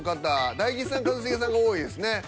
大吉さん一茂さんが多いですね。